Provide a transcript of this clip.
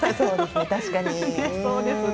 確かにね。